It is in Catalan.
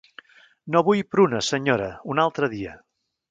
No vull prunes, senyora, un altre dia.